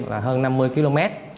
là hơn năm mươi km